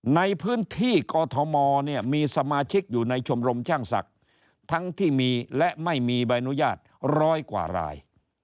ในพื้นที่กอทมเนี่ยมีสมาชิกอยู่ในชมรมช่างศักดิ์ทั้งที่มีและไม่มีใบอนุญาตร้อยกว่าราย